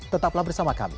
tetaplah bersama kami